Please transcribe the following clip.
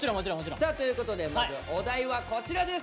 さあということでまずはお題はこちらです。